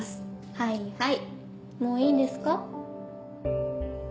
はいはいもういいですか？